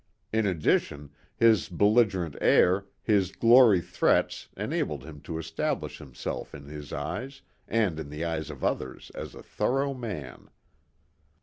In addition, his belligerent air, his gory threats enabled him to establish himself in his eyes and in the eyes of others as a thorough man.